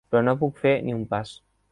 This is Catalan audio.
Però no puc fer ni un pas.